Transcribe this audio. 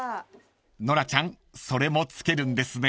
［ノラちゃんそれもつけるんですね］